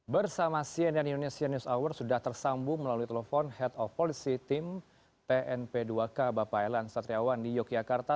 bersama cnn indonesia news hour sudah tersambung melalui telepon head of policy team pnp dua k bapak elan satriawan di yogyakarta